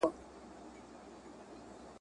ستا تر درشله خامخا راځمه !.